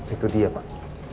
itu dia pak